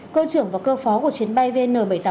cơ trưởng và cơ phó của chuyến bay vn bảy trăm tám mươi